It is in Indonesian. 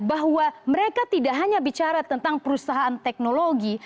bahwa mereka tidak hanya bicara tentang perusahaan teknologi